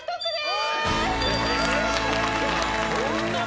すごいな。